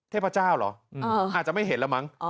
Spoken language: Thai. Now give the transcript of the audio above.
เทพเจ้าเหรออาจจะไม่เห็นแล้วมั้ง